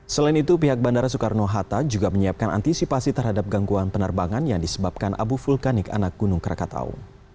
selain itu pihak bandara soekarno hatta juga menyiapkan antisipasi terhadap gangguan penerbangan yang disebabkan abu vulkanik anak gunung krakatau